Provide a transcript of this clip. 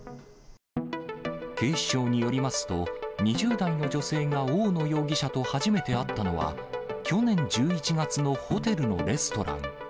警視庁によりますと、２０代の女性が大野容疑者と初めて会ったのは、去年１１月のホテルのレストラン。